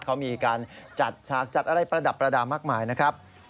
เขามีการจัดฉากจัดอะไรประดับประดามากมายนะครับ